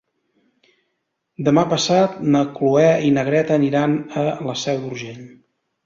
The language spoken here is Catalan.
Demà passat na Cloè i na Greta aniran a la Seu d'Urgell.